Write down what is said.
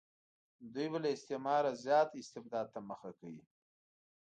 دوی به له استعمار زیات استبداد ته مخه کوي.